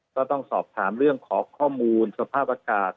ก็ต้องสอบถามเรื่องของข้อมูลสภาพอากาศ